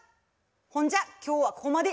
ほんじゃ今日はここまで。